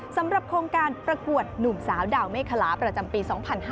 สำหรับโครงการประกวดหนุ่มสาวดาวเมฆคลาประจำปี๒๕๕๙